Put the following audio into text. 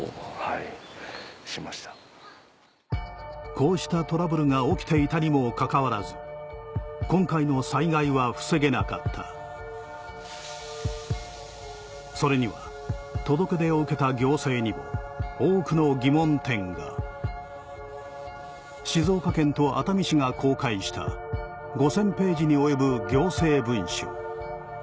こうしたトラブルが起きていたにもかかわらず今回の災害は防げなかったそれには届け出を受けた行政にも多くの疑問点が静岡県と熱海市が公開した５０００ページに及ぶ行政文書